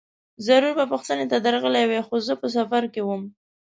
ضرور به پوښتنې ته درغلی وای، خو زه په سفر کې وم.